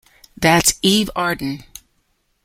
That's Eve Arden.